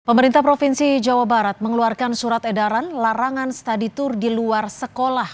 pemerintah provinsi jawa barat mengeluarkan surat edaran larangan study tour di luar sekolah